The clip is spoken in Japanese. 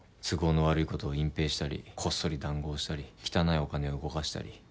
都合の悪いことを隠蔽したりこっそり談合したり汚いお金を動かしたり。